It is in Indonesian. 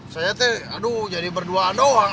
saya tuh aduh jadi berduaan doang